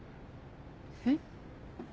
えっ？